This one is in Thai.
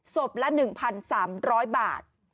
ละ๑๓๐๐บาท